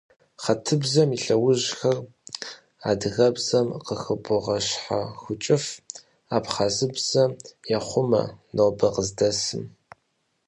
Хьэтыбзэм и лъэужьхэр адыгэбзэм къыхыбогъэщхьэхукӀыф, абхъазыбзэм ехъумэ нобэр къыздэсым.